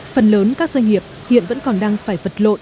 phần lớn các doanh nghiệp hiện vẫn còn đang phải vật lộn